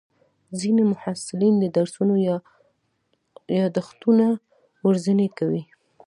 ځینې محصلین د درسونو یادښتونه ورځني کوي.